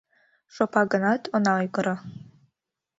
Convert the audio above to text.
Шопа гынат, она ойгыро.